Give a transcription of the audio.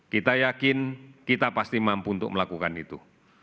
kita yakin kita pasti mampu untuk melakukan itu